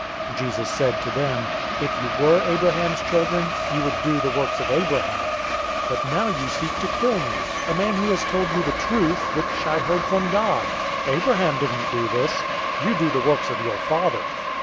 Jesus said to them, "If you were Abraham's children, you would do the works of Abraham. 008:040 But now you seek to kill me, a man who has told you the truth, which I heard from God. Abraham didn't do this. 008:041 You do the works of your father."